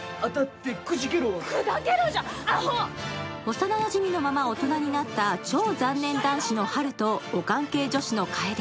幼なじみのまま大人になった超残念男子のハルとオカン系女子の楓。